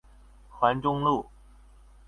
環中路